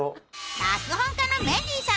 脚本家のメンディーさん